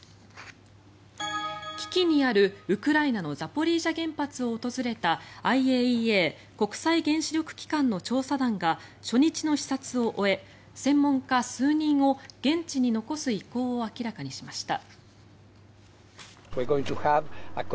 危機にあるウクライナのザポリージャ原発を訪れたＩＡＥＡ・国際原子力機関の調査団が初日の視察を終え専門家数人を現地に残す意向を明らかにしました。